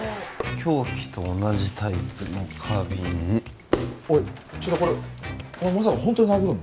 凶器と同じタイプの花瓶おいちょっとこれまさかホントに殴るの？